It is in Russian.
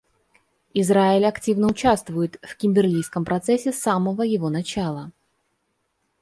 Израиль активно участвует в Кимберлийском процессе с самого его начала.